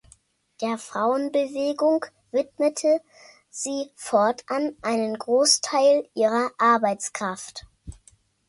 Der Frauenbewegung widmete sie fortan einen Großteil ihrer Arbeitskraft.